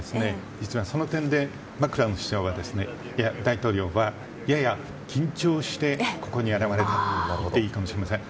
実はその点でマクロン大統領はやや緊張して、ここに現れたといってもいいかもしれません。